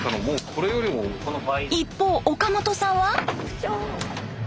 一方岡本さんは。